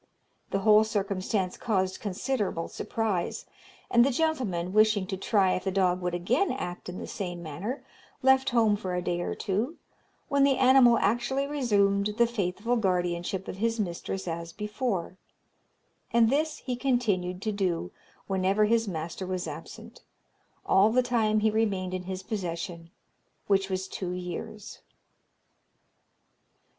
The whole circumstance caused considerable surprise; and the gentleman, wishing to try if the dog would again act in the same manner, left home for a day or two, when the animal actually resumed the faithful guardianship of his mistress as before; and this he continued to do whenever his master was absent, all the time he remained in his possession, which was two years.